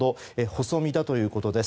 細身だということです。